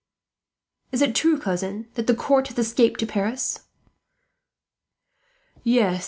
"Is it true, cousin, that the court has escaped to Paris?" "Yes.